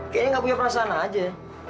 kayaknya nggak punya perasaan aja